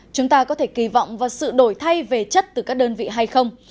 chúng ta có thể kỳ vọng vào sự đổi thay về chất từ các đơn vị hay không